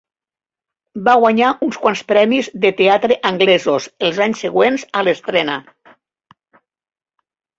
Va guanyar uns quants premis de teatre anglesos els anys següents a l'estrena.